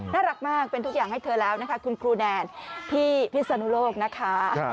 น่ารักมากเป็นทุกอย่างให้เธอแล้วนะคะคุณครูแนนที่พิศนุโลกนะคะ